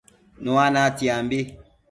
Nua natsiambi